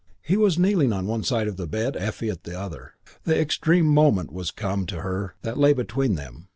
He was kneeling on one side of the bed, Effie at the other. The extreme moment was come to her that lay between them.